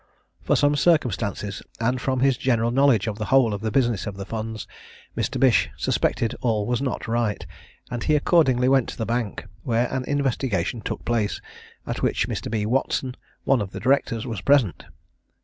From some circumstances, and from his general knowledge of the whole of the business of the funds, Mr. Bish suspected all was not right, and he accordingly went to the Bank, where an investigation took place, at which Mr. B. Watson, one of the Directors, was present.